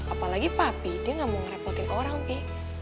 apalagi papi dia gak mau ngerepotin orang pi